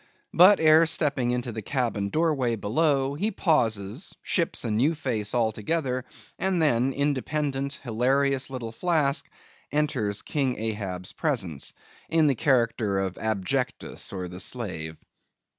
But ere stepping into the cabin doorway below, he pauses, ships a new face altogether, and, then, independent, hilarious little Flask enters King Ahab's presence, in the character of Abjectus, or the Slave.